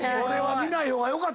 見ない方がよかった。